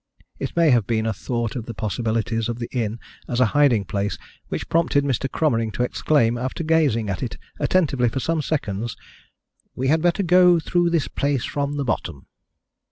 It may have been a thought of the possibilities of the inn as a hiding place which prompted Mr. Cromering to exclaim, after gazing at it attentively for some seconds: "We had better go through this place from the bottom."